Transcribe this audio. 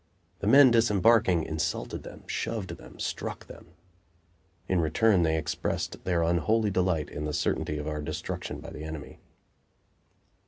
The men disembarking insulted them, shoved them, struck them. In return they expressed their unholy delight in the certainty of our destruction by the enemy.